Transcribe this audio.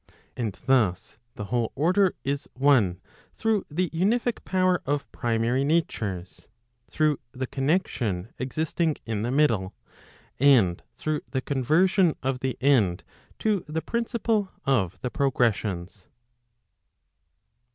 And thus the whole order is one through the unific power of primary natures, through the connexion existing in the middle, and through the conversion of the end to the principle of the progressions.